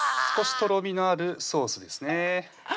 少しとろみのあるソースですね